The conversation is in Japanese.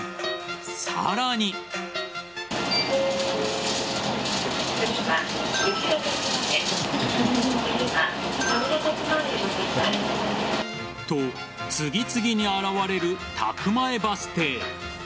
さらに。と、次々に現れる宅前バス停。